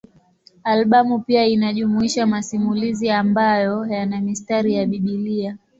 Albamu pia inajumuisha masimulizi ambayo yana mistari ya Biblia.